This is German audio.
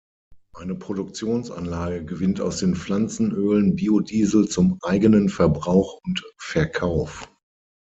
Eine Produktionsanlage gewinnt aus den Pflanzenölen Bio-Diesel zum eigenen Verbrauch und Verkauf.